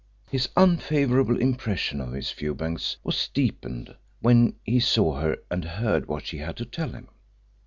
His unfavourable impression of Miss Fewbanks was deepened when he saw her and heard what she had to tell him.